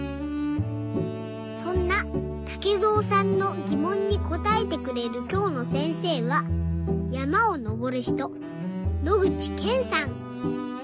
そんなたけぞうさんのぎもんにこたえてくれるきょうのせんせいはやまをのぼるひと野口健さん。